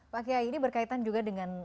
pak kiai ini berkaitan juga dengan